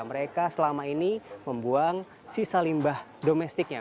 mereka selama ini membuang sisa limbah domestiknya